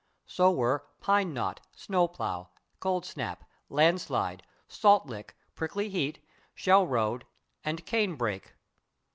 So were /pine knot/, /snow plow/, /cold snap/, /land slide/, /salt lick/, /prickly heat/, /shell road/ and /cane brake